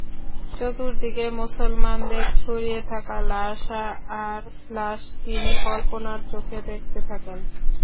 চতুর্দিকে মুসলমানদের ছড়িয়ে থাকা লাশ আর লাশ তিনি কল্পনার চোখে দেখতে থাকেন।